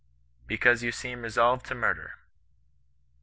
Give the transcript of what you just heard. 'Because you seem resolved to murder.'